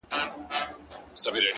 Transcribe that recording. • د جنت پر کوثرونو به اوبېږي,